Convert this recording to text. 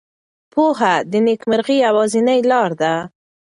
پوهه د نېکمرغۍ یوازینۍ لاره ده.